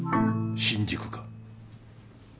新宿か。